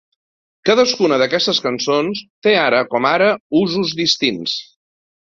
Cadascuna d'aquestes cançons té ara com ara usos distints.